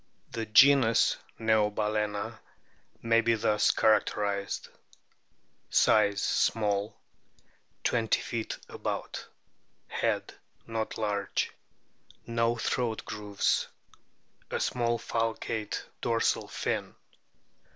The genus NEOBAL/ENA may be thus characterised: Size small, 20 feet about. Head not laree. No o throat grooves. A small falcate dorsal fin.